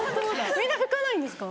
みんな吹かないんですか？